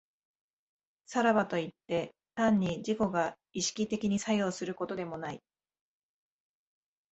さらばといって、単に自己が意識的に作用することでもない。